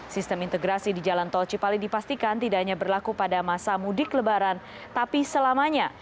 sistem integrasi di jalan tol cipali dipastikan tidak hanya berlaku pada masa mudik lebaran tapi selamanya